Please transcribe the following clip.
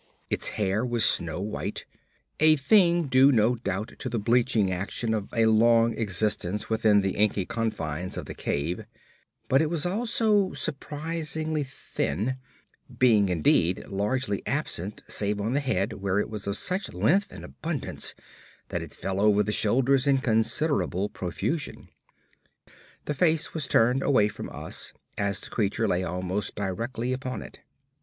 Its hair was snow white, a thing due no doubt to the bleaching action of a long existence within the inky confines of the cave, but it was also surprisingly thin, being indeed largely absent save on the head, where it was of such length and abundance that it fell over the shoulders in considerable profusion. The face was turned away from us, as the creature lay almost directly upon it.